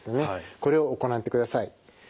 これを行ってください。